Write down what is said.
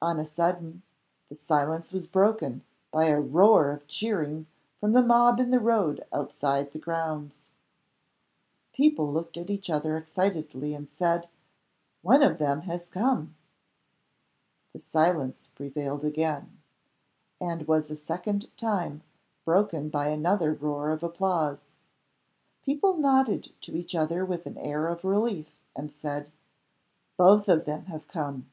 On a sudden, the silence was broken by a roar of cheering from the mob in the road outside the grounds. People looked at each other excitedly, and said, "One of them has come." The silence prevailed again and was a second time broken by another roar of applause. People nodded to each other with an air of relief and said, "Both of them have come."